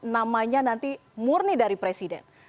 namanya nanti murni dari presiden